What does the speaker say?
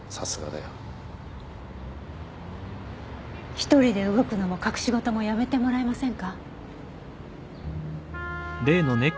一人で動くのも隠し事もやめてもらえませんか？